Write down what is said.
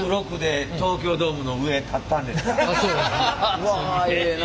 うわええな。